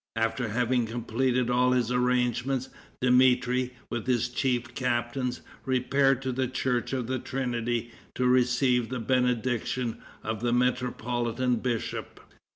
After having completed all his arrangements, Dmitri, with his chief captains, repaired to the church of the Trinity to receive the benediction of the metropolitan bishop.